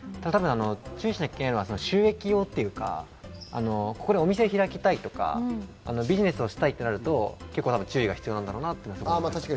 注意しなきゃいけないのは収益用というか、お店を開きたいとかビジネスをしたいとなると、注意が必要だろうと思います。